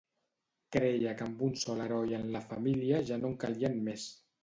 Creia que amb un sol heroi en la família ja no en calien més.